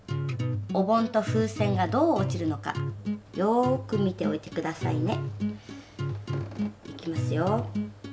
お盆と風船がどう落ちるのかよく見ておいて下さいね。いきますよ。